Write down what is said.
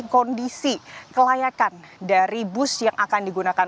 kondisi kelayakan dari bus yang akan digunakan